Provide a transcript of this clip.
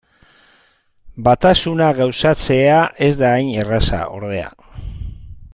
Batasuna gauzatzea ez da hain erraza, ordea.